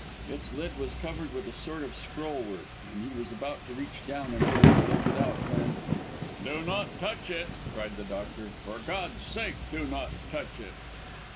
Its lid was covered with a sort of scroll work, and he was about to reach down, in order to lift it out, when: "Do not touch it!" cried the doctor "for God's sake, do not touch it!"